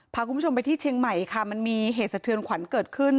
พาคุณผู้ชมไปที่เชียงใหม่ค่ะมันมีเหตุสะเทือนขวัญเกิดขึ้น